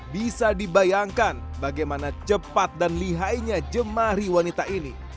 bisa dibayangkan bagaimana cepat dan lihainya jemari wanita ini